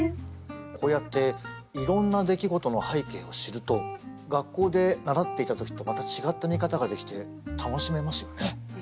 こうやっていろんな出来事の背景を知ると学校で習っていた時とまた違った見方ができて楽しめますよね。